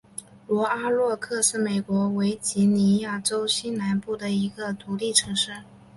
罗阿诺克是美国维吉尼亚州西南部的一个独立城市。